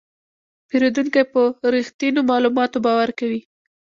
پیرودونکی په رښتینو معلوماتو باور کوي.